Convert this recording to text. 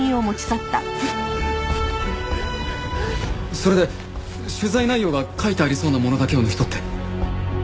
それで取材内容が書いてありそうなものだけを抜き取って。